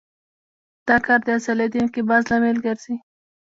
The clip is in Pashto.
دا کار د عضلې د انقباض لامل ګرځي.